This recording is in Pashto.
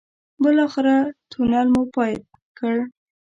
بالاخره تونل مو پای کړ.